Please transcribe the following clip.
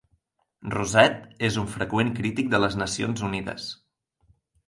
Rosett es un freqüent crític de les Nacions Unides.